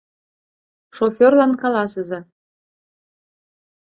Шофёрлан каласыза.